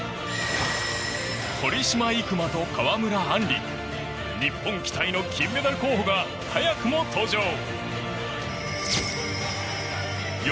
堀島行真と川村あんり日本期待の金メダル候補が早くも登場。